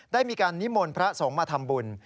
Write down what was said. ได้มีการนิมนต์พระสงฆ์มาทำบุญ